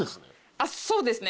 あっそうですね。